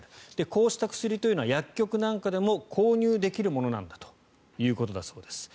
こうした薬というのは薬局なんかでも購入できるものなんだということだそうです。